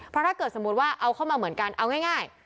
เพราะถ้าเกิดสมมุติว่าเอาเข้ามาเหมือนกันเอาง่าย